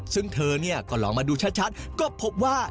ซึ่งเธอเนี่ยก็ลองมาดูชัดก็พบว่า